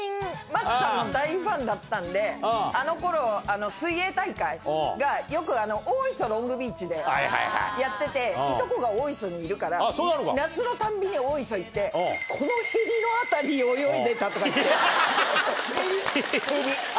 マッチさんの大ファンだったんで、あのころ、水泳大会が、よく大磯ロングビーチでやってて、いとこが大磯にいるから、夏のたんびに大磯行って、このへりの辺り泳いでたとか言って。